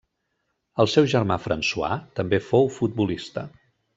El seu germà François, també fou futbolista.